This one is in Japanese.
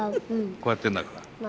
こうやってんだから。